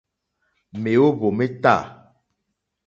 Mèóhwò mé tâ.